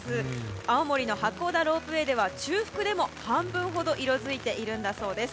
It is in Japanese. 青森の八甲田ロープウェーでは中腹でも半分ほど色づいているんだそうです。